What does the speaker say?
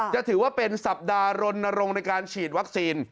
จะถือว่าเป็นสัปดาห์รณรงค์ในการฉีดวัคซีน